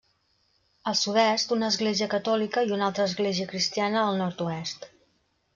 Al sud-est una església catòlica i una altra església cristiana al nord-oest.